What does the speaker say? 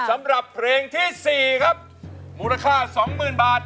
สำหรับเพลงที่สี่ครับมูลค่าสองหมื่นบาท